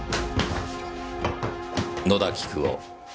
野田菊夫。